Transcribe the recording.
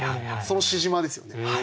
その沈黙ですよね。